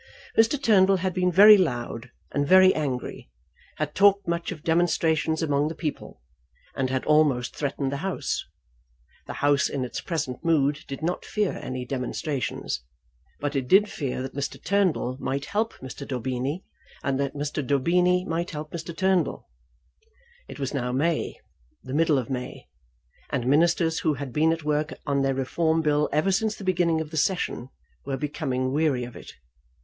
Mr. Turnbull had been very loud and very angry, had talked much of demonstrations among the people, and had almost threatened the House. The House in its present mood did not fear any demonstrations, but it did fear that Mr. Turnbull might help Mr. Daubeny, and that Mr. Daubeny might help Mr. Turnbull. It was now May, the middle of May, and ministers, who had been at work on their Reform Bill ever since the beginning of the session, were becoming weary of it.